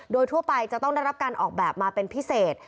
โดยทั่วไปจะต้องได้รับการออกแบบมาเป็นพิเศษ